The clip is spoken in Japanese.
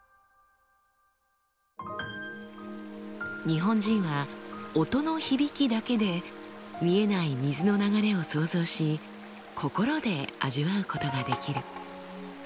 日本人は音の響きだけで見えない水の流れを想像し心で味わうことができる。